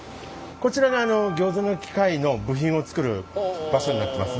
こちらがあのギョーザの機械の部品を作る場所になってます。